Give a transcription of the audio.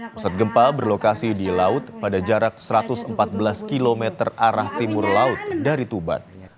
pusat gempa berlokasi di laut pada jarak satu ratus empat belas km arah timur laut dari tuban